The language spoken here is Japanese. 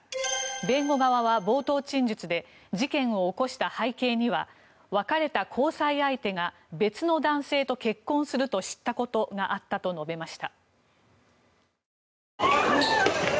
弁護側は冒頭陳述で事件を起こした背景には別れた交際相手が別の男性と結婚すると知ったことがあったと述べました。